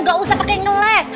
gak usah pake ngeles